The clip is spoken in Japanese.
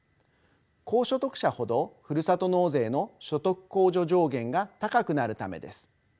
高所得者ほどふるさと納税の所得控除上限が高くなるためです。